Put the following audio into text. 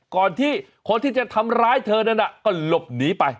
ก่อนที่คนที่จะทำร้ายเธอนั้นก็หลบหนีไป